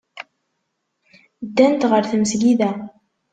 Ddant ɣer tmesgida.